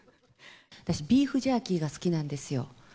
私、ビーフジャーキーが好きなんですよ。